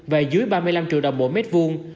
và dưới ba mươi năm triệu đồng mỗi mét vuông